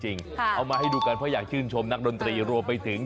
เอามาให้ดูกันเพราะอยากชื่นชมนักดนตรีรวมไปถึง